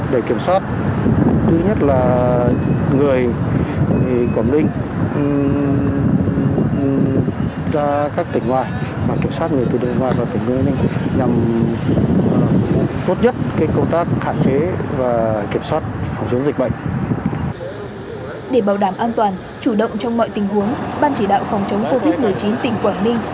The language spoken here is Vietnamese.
để bảo đảm an toàn chủ động trong mọi tình huống ban chỉ đạo phòng chống covid một mươi chín tỉnh quảng ninh